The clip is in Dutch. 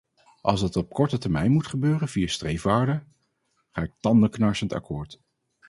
Als dat op korte termijn moet gebeuren via streefwaarden, ga ik tandenknarsend akkoord.